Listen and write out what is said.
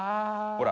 ほら。